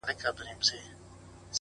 o گراني شاعري زه هم داسي يمه؛